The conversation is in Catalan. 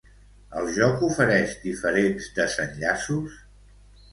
El joc ofereix diferents desenllaços?